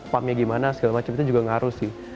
pump nya gimana segala macam itu juga ngaruh sih